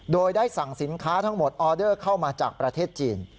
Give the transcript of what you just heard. โดยได้สั่งสินค้าทั้งหมดออเดอร์เข้ามาจากประเทศจีน